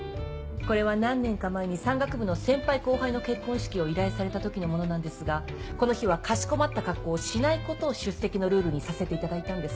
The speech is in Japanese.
これは何年か前に山岳部の先輩後輩の結婚式を依頼された時のものなんですがこの日はかしこまった格好をしないことを出席のルールにさせていただいたんです。